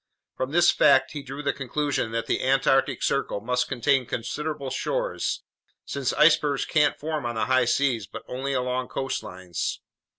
From this fact he drew the conclusion that the Antarctic Circle must contain considerable shores, since icebergs can't form on the high seas but only along coastlines.